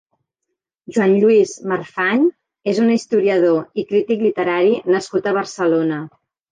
Joan Lluís Marfany és un historiador i crític literari nascut a Barcelona.